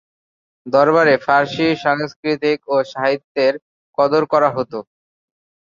দরবারে ফার্সি সংস্কৃতি ও সাহিত্যের কদর করা হত।